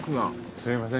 すみません